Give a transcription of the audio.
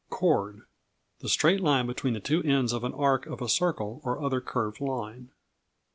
Chord The straight line between the two ends of an arc of a circle or other curved line.